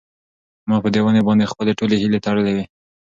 ما په دې ونې باندې خپلې ټولې هیلې تړلې وې.